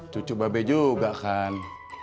cucuk babe juga kan